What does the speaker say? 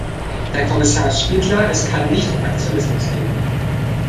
Herr Kommissar Špidla, es kann nicht um Aktionismus gehen.